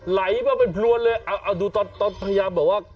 ไหลมาเป็นพลวนเลยเอาดูตอนพยายามบอกว่า